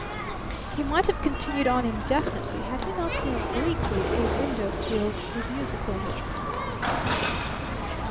He might have continued on indefinitely had he not seen obliquely a window filled with musical instruments.